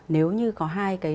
nếu như có hai cái